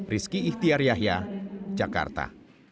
rizki ihtiar yahya jakarta